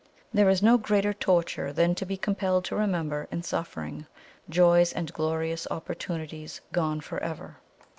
There is no greater torture than to be compelled to remember, in suffering, joys and glorious opportunities gone for ever.